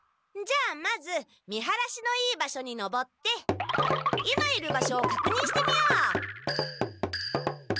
じゃあまず見晴らしのいい場所に登って今いる場所をかくにんしてみよう！